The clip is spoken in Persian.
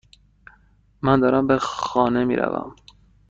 من دارم به خانه میروم.